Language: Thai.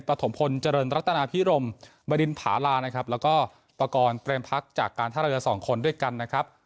ปฐมพลเจริญรัตนาพิรมบรินผาลานะครับแล้วก็ปากรเปรมพักจากการท่าเรือสองคนด้วยกันนะครับ